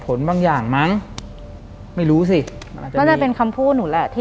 หลังจากนั้นเราไม่ได้คุยกันนะคะเดินเข้าบ้านอืม